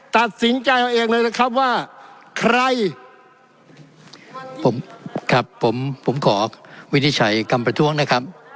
ตัดสินใจเอาเองเลยนะครับว่าใครผมครับผมผมขอวินิจฉัยคำประท้วงนะครับ